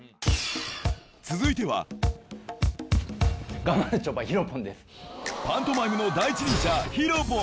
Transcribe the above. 続いてはパントマイムの第一人者ＨＩＲＯ−ＰＯＮ